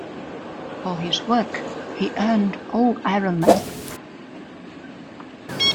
For his work, he earned All-Ironman.